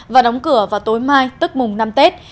và đóng cửa vào tối mai tức mùng năm tết